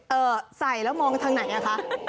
ใส่แล้วมองทางไหนอ่ะคะ